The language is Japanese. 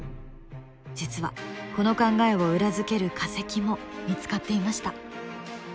実はこの考えを裏付ける化石も見つかっていました。